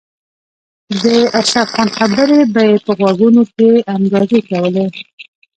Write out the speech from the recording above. د اشرف خان خبرې به یې په غوږونو کې انګازې کولې